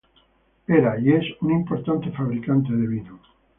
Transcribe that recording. Era, y es, un importante fabricante de vino de misa.